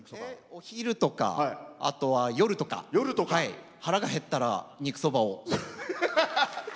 お昼とか、あとは夜とか腹が減ったら肉そばを。